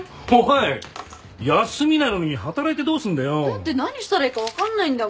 だって何したらいいか分かんないんだもん。